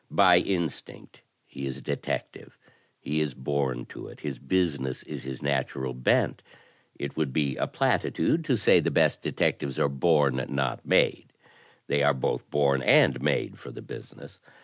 By instinct he is a detective. He is bom to it; his business is his natural bent. It would be a platitude to say the best detect 72 THE TECHNIQUE OF THE MYSTERY STORY ives are bom, not made. They are both born and made for the business.